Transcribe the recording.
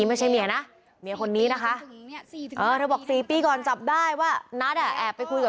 เมื่อกี้ไม่ใช่เมียนะ